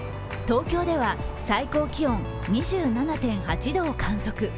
東京では最高気温２７．８度を観測。